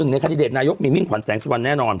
ในคันดิเดตนายกมีมิ่งขวัญแสงสุวรรณแน่นอน